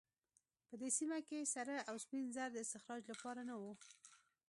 په دې سیمه کې سره او سپین زر د استخراج لپاره نه وو.